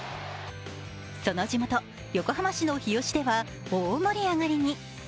その地元・横浜市の日吉では大盛り上がりに。